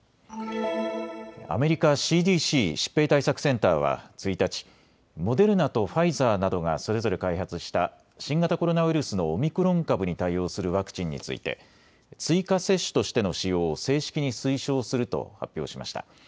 アメリカＣＤＣ・疾病対策センターは１日、モデルナとファイザーなどがそれぞれ開発した新型コロナウイルスのオミクロン株に対応するワクチンについて追加接種としての使用を正式に推奨すると発表しました。